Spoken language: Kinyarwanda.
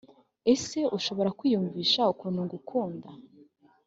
ese ushobora kwiyumvisha ukuntu ngukunda